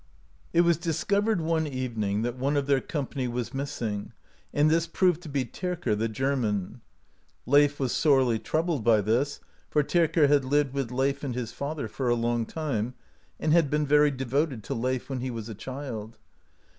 It was discovered one evening that one of their com pany was missing, and this proved to be Tyrker, the German. Leif was sorely troubled by this, for Tyrker had lived with Leif and his father for a long time, and had been verj^ devoted to Leif, when he was a child.